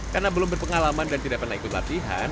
karena belum berpengalaman dan tidak pernah ikut latihan